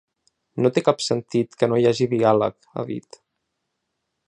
No té cap sentit que no hi hagi diàleg, ha dit.